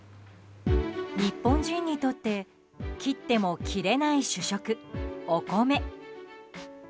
日本人にとって切っても切れない主食、お米。